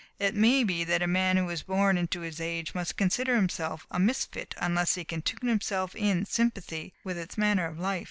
It may be that a man who is born into this age must consider himself a misfit unless he can tune himself in sympathy with its manner of life.